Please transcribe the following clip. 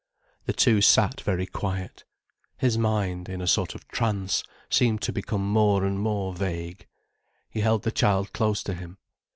The two sat very quiet. His mind, in a sort of trance, seemed to become more and more vague. He held the child close to him.